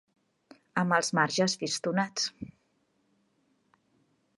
Amb els marges fistonats.